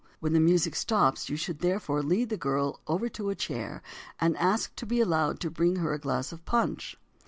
When the music stops you should therefore lead the girl over to a chair and ask to be allowed to bring her a glass of punch.